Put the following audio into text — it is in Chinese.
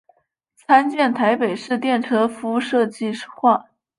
参见台北市电车敷设计画。